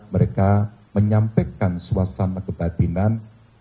mereka menyampaikan suasana kebatinan